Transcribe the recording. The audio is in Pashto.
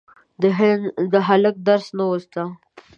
د هلک درس نه و زده.